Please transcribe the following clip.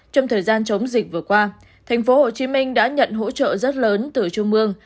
trong thời gian chống dịch vừa qua tp hcm đã nhận hỗ trợ rất lớn từ trung ương